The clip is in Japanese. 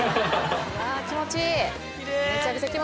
気持ちいい！